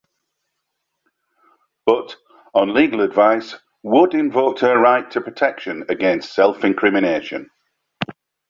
But, on legal advice, Wood invoked her right to protection against self-incrimination.